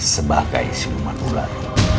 sebagai siluman ular